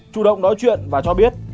chủ động nói chuyện và cho biết